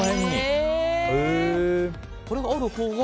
これがあるほうが。